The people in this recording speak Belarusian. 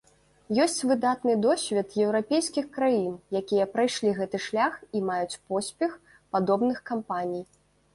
Ёсць выдатны досвед еўрапейскіх краін, якія прайшлі гэты шлях і маюць поспех падобных кампаній.